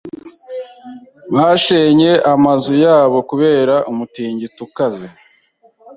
Bashenye amazu yabo kubera umutingito ukaze.